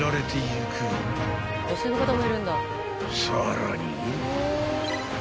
［さらに］